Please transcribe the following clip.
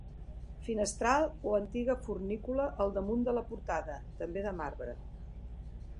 Finestral o antiga fornícula al damunt de la portada, també de marbre.